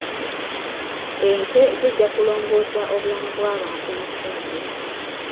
Ente zijja kulongoosa obulamu bw'abantu mu kitundu.